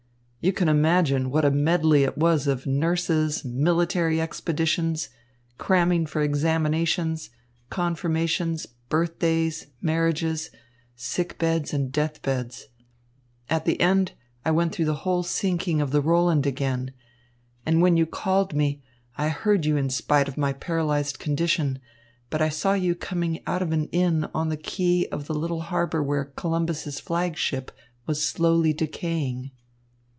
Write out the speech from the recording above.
You can imagine what a medley it was of nurses, military expeditions, cramming for examinations, confirmations, birthdays, marriages, sick beds and death beds. At the end I went through the whole sinking of the Roland again. And when you called me, I heard you in spite of my paralysed condition, but I saw you coming out of an inn on the quay of the little harbour where Columbus's flag ship was slowly decaying."